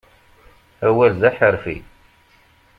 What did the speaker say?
Awal d aḥerfi.